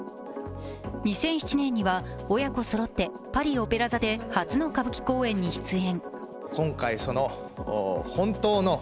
２００７年には親子そろってパリ・オペラ座で初の歌舞伎公演に出演。